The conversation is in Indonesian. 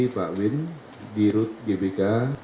pak win di rut gbk